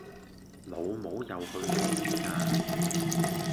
老母又去咗邊呀